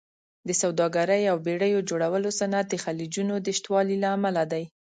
د سوداګرۍ او بېړیو جوړولو صنعت د خلیجونو د شتوالي امله دی.